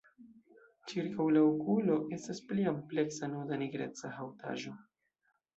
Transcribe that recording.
Ĉirkaŭ la okulo estas pli ampleksa nuda nigreca haŭtaĵo.